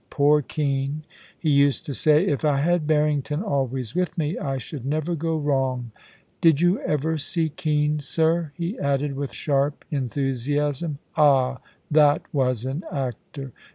Poor Kean ! He used to say, " If I had Harrington always with me, I should never go wrong !" Did you ever see Kean, sir?* he added with sharp en thusiasm. * Ah ! that was an actor